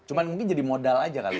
cuma mungkin jadi modal aja kali ya